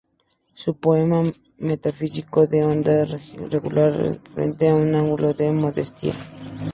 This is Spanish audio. Sus poemas metafísicos de honda religiosidad desprenden una actitud de modestia.